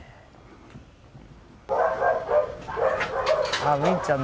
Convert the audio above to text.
「」あっウィンちゃんだ。